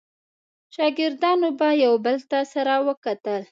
شاګردانو به یو بل ته سره وکتل.